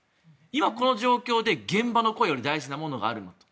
今、この状況で現場の声より大事なものがあるんだ。